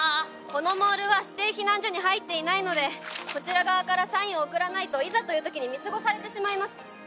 このモールは指定避難所に入っていないのでこちら側からサインを送らないといざというときに見過ごされてしまいます。